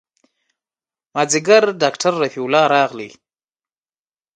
مازديګر ډاکتر رفيع الله راغى.